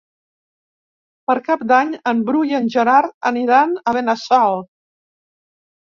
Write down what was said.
Per Cap d'Any en Bru i en Gerard aniran a Benassal.